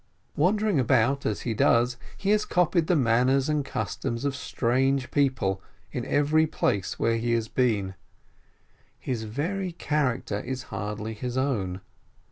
Wandering about as he does, he has copied the manners and customs of strange people, in every place where he has been; his very character is hardly his own.